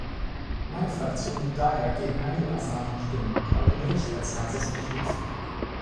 Meine Fraktion wird daher gegen einige Passagen stimmen, aber den Bericht als Ganzes unterstützen.